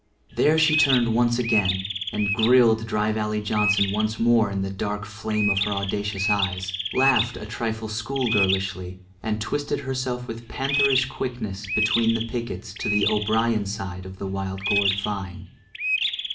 There she turned again and grilled Dry Valley Johnson once more in the dark flame of her audacious eyes, laughed a trifle school girlishly, and twisted herself with pantherish quickness between the pickets to the O'Brien side of the wild gourd vine.